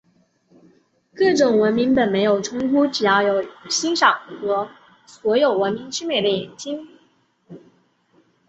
各种文明本没有冲突，只是要有欣赏所有文明之美的眼睛。